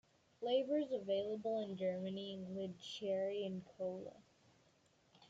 Flavors available in Germany included cherry and cola.